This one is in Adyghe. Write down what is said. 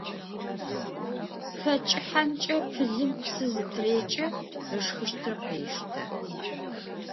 Пэ кӏыхьэмкӏэ пылым псы зытырекӏэ, ышхыщтыр къештэ.